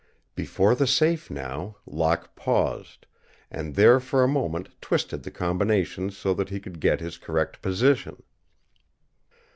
Before the safe, now, Locke paused, and there for a moment twisted the combination so that he could get his correct position.